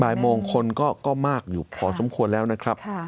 โมงคนก็มากอยู่พอสมควรแล้วนะครับ